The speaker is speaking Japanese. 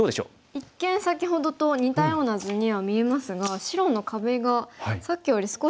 一見先ほどと似たような図には見えますが白の壁がさっきより少し隙間が空いてますね。